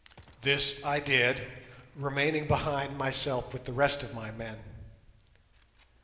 This I did, remaining behind myself with the rest of my men.